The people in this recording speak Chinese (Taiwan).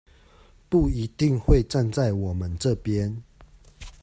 不一定會站在我們這邊